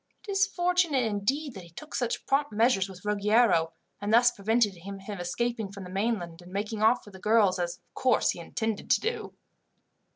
It is fortunate indeed that he took such prompt measures with Ruggiero, and thus prevented his escaping from the mainland, and making off with the girls, as of course he intended to do."